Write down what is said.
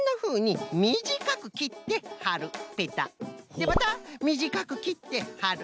でまたみじかくきってはる。